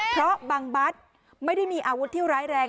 เพราะบางบัตรไม่ได้มีอาวุธที่ร้ายแรง